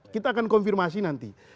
kita akan konfirmasi nanti